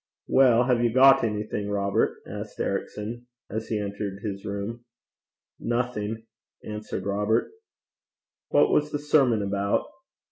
'Well, have you got anything, Robert?' asked Ericson, as he entered his room. 'Nothing,' answered Robert. 'What was the sermon about?'